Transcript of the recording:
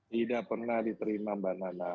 tidak pernah diterima mbak nana